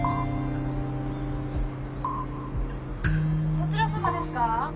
・・どちらさまですか？